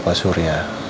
untuk bapak surya